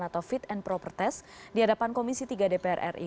atau fit and proper test di hadapan komisi tiga dpr ri